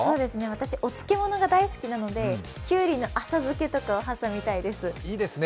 私、お漬物が大好きなのでキュウリの浅漬けとかを挟みたいです。